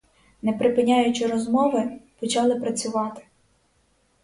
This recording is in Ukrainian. Не припиняючи розмови, почали працювати.